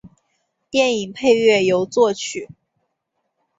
电影配乐由作曲。